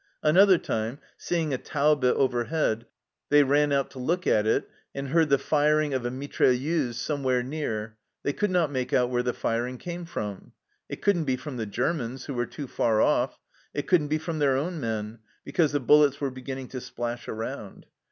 Another time, seeing a Taube overhead, they ran out to look at it, and heard the firing of a mitrail leuse somewhere near. They could not make out where the firing came from. It couldn't be from the Germans, who were too far off ; it couldn't be from their own men, because the bullets were beginning to splash around.